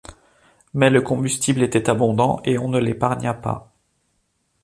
Mais le combustible était abondant et on ne l’épargna pas.